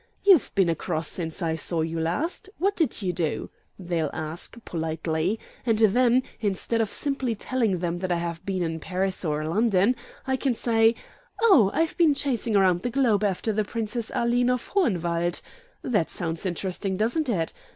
'You've been across since I saw you last. What did you do?' they'll ask, politely. And then, instead of simply telling them that I have been in Paris or London, I can say, 'Oh, I've been chasing around the globe after the Princess Aline of Hohenwald.' That sounds interesting, doesn't it?